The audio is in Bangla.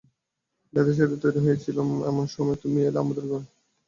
বেঁধে-সেধে তৈরি হয়ে ছিলুম, এমন সময় তুমি এলে আমাদের ঘরে।